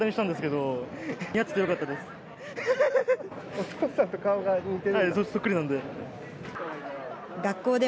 そっくりなんで。